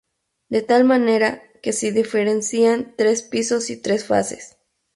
De tal manera, que se diferencian tres pisos y tres fases.